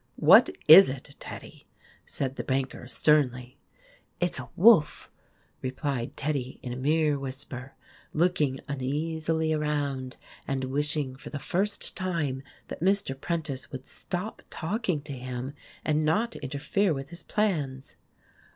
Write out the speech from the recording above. "What is it, Teddy ?' said the banker sternly. " It 's a wolf," replied Teddy in a mere whisper, looking uneasily around and wishing, for the first time, that Mr. Prentice would stop talking to him and not interfere with his plans.